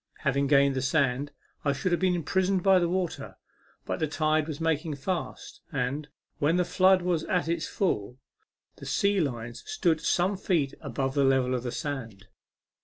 Having gained the sand, I should have been imprisoned by the water ; but the tide was making fast, and, when the flood was at its full, the sea line stood some feet above the level of the sand.